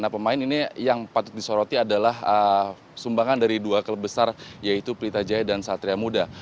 nah pemain ini yang patut disoroti adalah sumbangan dari dua klub besar yaitu pelita jaya dan satria muda